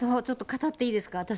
ちょっと語っていいですか。